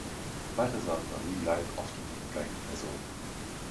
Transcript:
Balthasar und Marie leiden oft unter den gleichen Personen.